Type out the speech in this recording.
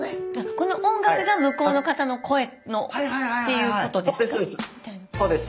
この音楽が向こうの方の声っていうことですか？